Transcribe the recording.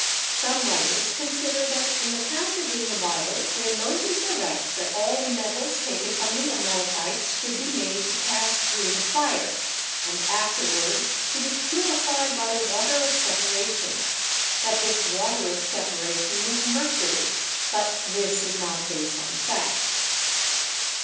Some writers consider that in the passage in the Bible where Moses directs that all the metals taken from the Amalekites should be made to pass through the fire and afterward to be "purified by the water of separa tion," that this "water of separation" was mercury, but this is not based on fact.